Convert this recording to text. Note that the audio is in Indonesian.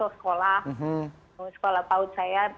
bangun sekolah paut saya